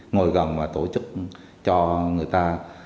ngồi gần và tổ chức cho người ta